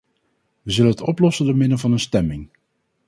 We zullen het oplossen door middel van een stemming.